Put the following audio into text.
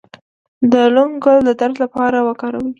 د لونګ ګل د درد لپاره وکاروئ